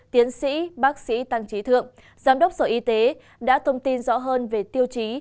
tiến sĩ bác sĩ tăng trí thượng giám đốc sở y tế đã thông tin rõ hơn về tiêu chí